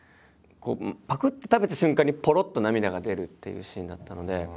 ぱくって食べた瞬間にぽろっと涙が出るっていうシーンだったので。